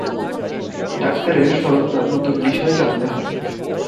ডাক্তারের সর্বদা নতুন বিষয় জানতে হয়।